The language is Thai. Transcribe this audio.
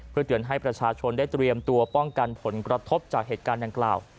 เพื่อเตือนให้ประชาชนได้เตรียมตัวป้องกันผลกระทบจากเหตุการณ์ดังกล่าว